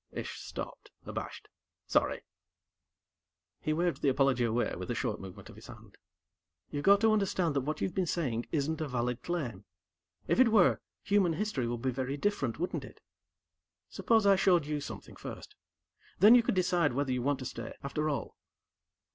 Ish stopped, abashed. "Sorry." He waved the apology away with a short movement of his hand. "You've got to understand that what you've been saying isn't a valid claim. If it were, human history would be very different, wouldn't it?" "Suppose I showed you something, first? Then, you could decide whether you want to stay, after all."